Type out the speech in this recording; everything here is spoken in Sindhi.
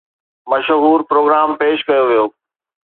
مشهور پروگرام پيش ڪيو ويو